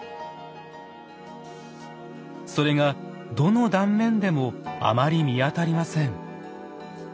それがどの断面でもあまり見当たりません。